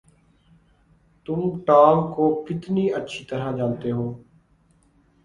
تم ٹام کو کتنی اچھی طرح جانتے ہو؟